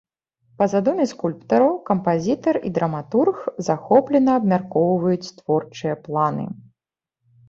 Па задуме скульптараў кампазітар і драматург захоплена абмяркоўваюць творчыя планы.